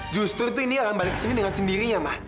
justru tuh indi akan balik sini dengan sendirinya ma